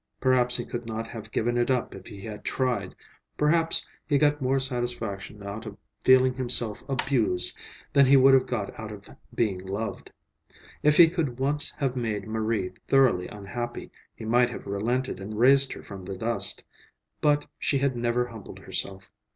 Perhaps he could not have given it up if he had tried. Perhaps he got more satisfaction out of feeling himself abused than he would have got out of being loved. If he could once have made Marie thoroughly unhappy, he might have relented and raised her from the dust. But she had never humbled herself.